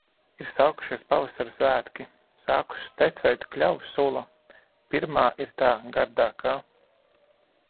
Ir sākušies pavasara svētki - sākusi tecēt kļavu sula! Pirmā ir tā gardākā!